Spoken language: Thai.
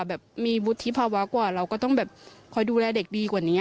แบบมีวุฒิภาวะกว่าเราก็ต้องแบบคอยดูแลเด็กดีกว่านี้